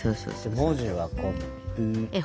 文字はこう。